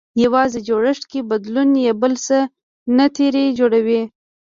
يوازې جوړښت کې بدلون يې بل څه نه ترې جوړوي.